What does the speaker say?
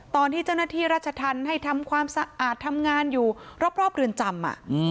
ตอนที่เจ้าหน้าที่รัชธรรมให้ทำความสะอาดทำงานอยู่รอบเรือนจำ